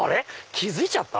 気付いちゃった？